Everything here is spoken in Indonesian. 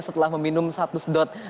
setelah meminum satu sedot